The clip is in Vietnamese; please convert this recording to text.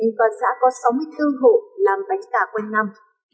hiện còn sẽ có sáu mươi bốn hộ làm bánh cà qua năm